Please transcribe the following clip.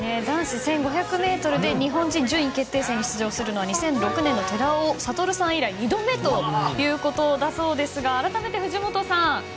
男子１５００ｍで日本人順位決定戦に出場するのは２００６年の寺尾悟さん以来２度目ということだそうですがあらためて藤本さん